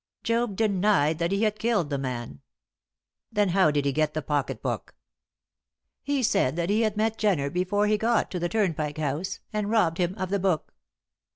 "Job denied that he had killed the man." "Then how did he get the pocket book?" "He said that he had met Jenner before he got to the Turnpike House, and robbed him of the book."